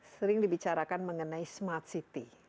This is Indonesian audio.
sering dibicarakan mengenai smart city